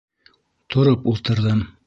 Тороп ултырҙым.